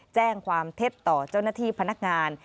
แจ้งความเท็จต่อเจ้าหน้าที่พนักงาน